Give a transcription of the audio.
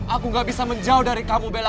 aku gak bisa menjauh dari kamu bella